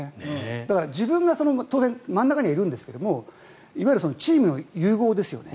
自分が当然真ん中にいるんですがいわゆるチームの融合ですよね。